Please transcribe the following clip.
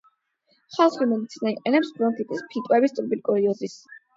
ხალხური მედიცინა იყენებს ბრონქიტის, ფილტვების ტუბერკულოზის.